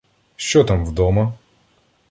— Що там вдома?